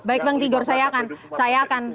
baik bang tigor saya akan ke